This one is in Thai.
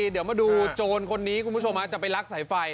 เดี๋ยวมาดูโจรคนนี้คุณผู้ชมจะไปลักสายไฟ